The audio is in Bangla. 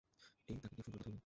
এই, তাকে কি ফোন করে কথা বলবো?